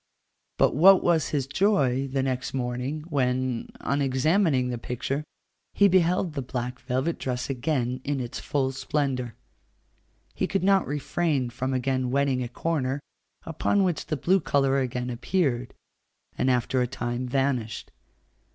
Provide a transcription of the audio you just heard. But what was his joy the next morning, when, on examining the picture, he beheld the black velvet dress again in its full splendour. He could not refrain from again wetting a corner, upon which the blue colour again appeared, and after a time vanished.